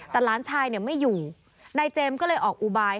แต่หลานชายเนี่ยไม่อยู่นายเจมส์ก็เลยออกอุบาย